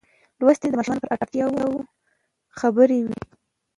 لوستې میندې د ماشوم پر اړتیاوو خبر وي.